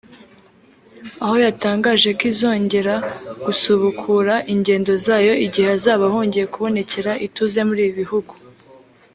aho yatangaje ko izongera gusubukura ingendo zayo igihe hazaba hongeye kubonekera ituze muri ibi bihugu